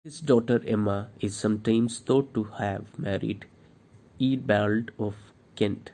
His daughter Emma is sometimes thought to have married Eadbald of Kent.